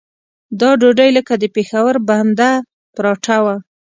دا ډوډۍ لکه د پېښور بنده پراټه وه.